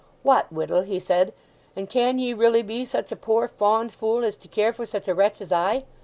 'What, Whittle,' he said, 'and can ye really be such a poor fond fool as to care for such a wretch as I!